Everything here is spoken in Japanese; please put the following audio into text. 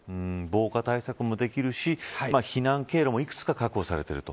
防火対策もできるし避難経路も幾つか確保されていると。